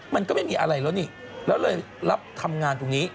มันก็ไม่มีอะไรแล้วนี่แล้วเลยรับทำงานตรงนี้